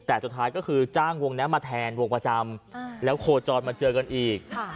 แต่สุดท้ายก็คือจ้างวงนี้มาแทนวงประจำแล้วโคจรมาเจอกันอีก